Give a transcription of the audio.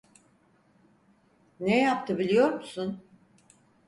Ne yaptı biliyor musun?